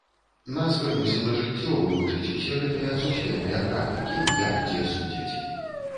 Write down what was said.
Нас прымусіла жыццё вывучыць усе гэтыя сусветныя практыкі, як дзе судзяць.